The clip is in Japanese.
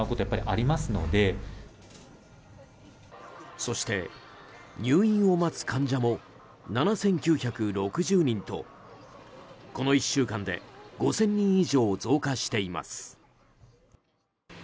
そして、入院を待つ患者も７９６０人とこの１週間で５０００人以上増加しています。